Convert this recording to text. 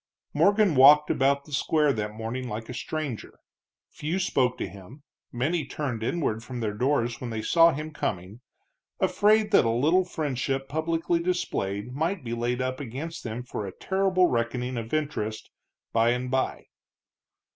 Morgan walked about the square that morning like a stranger. Few spoke to him, many turned inward from their doors when they saw him coming, afraid that a little friendship publicly displayed might be laid up against them for a terrible reckoning of interest by and by.